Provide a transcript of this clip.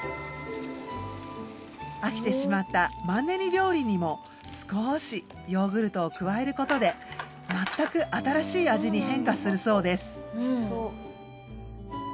飽きてしまったマンネリ料理にも少しヨーグルトを加えることでまったく新しい味に変化するそうです。